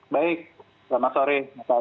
baik selamat sore